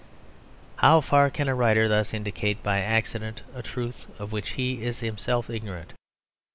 How far can a writer thus indicate by accident a truth of which he is himself ignorant?